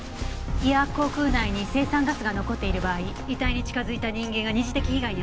胃や口腔内に青酸ガスが残っている場合遺体に近づいた人間が二次的被害に遭う事もあります。